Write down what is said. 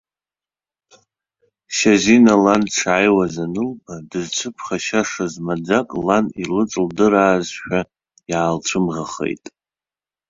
Шьазина лан дшааиуаз анылба, дызцәыԥхашьашаз маӡак лан илыҵылдыраазшәа, иаалцәымыӷхеит.